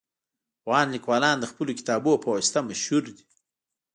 افغان لیکوالان د خپلو کتابونو په واسطه مشهور دي